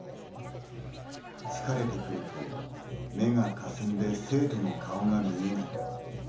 疲れてくると目が霞んで生徒の顔が見えない。